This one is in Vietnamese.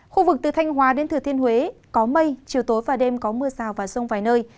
khu vực từ thanh hòa đến thừa thiên huế có mây chiều tối và đêm có mưa sào và sông vài nơi